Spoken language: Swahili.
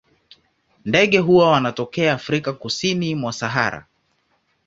Ndege hawa wanatokea Afrika kusini mwa Sahara.